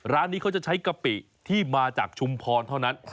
ร้านนี้เขาจะใช้กะปิที่มาจากชุมพรเท่านั้น